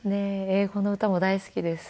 英語の歌も大好きです。